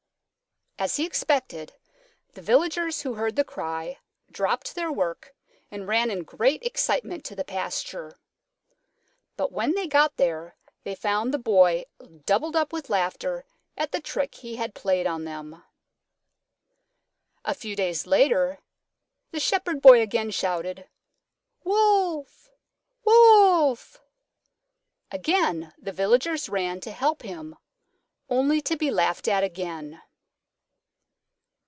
As he expected, the Villagers who heard the cry dropped their work and ran in great excitement to the pasture. But when they got there they found the Boy doubled up with laughter at the trick he had played on them. A few days later the Shepherd Boy again shouted, "Wolf! Wolf!" Again the Villagers ran to help him, only to be laughed at again.